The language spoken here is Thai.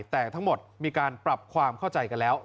แต่ทั้งหมดมีการปรับความเข้าใจกันแล้ว